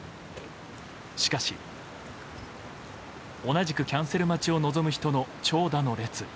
しかし、同じくキャンセル待ちを望む人の長蛇の列。